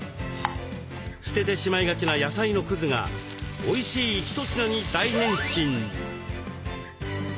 捨ててしまいがちな野菜のくずがおいしい一品に大変身。